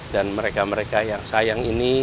dan mereka mereka yang sayang ini